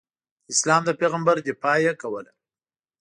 د اسلام د پیغمبر دفاع یې کوله.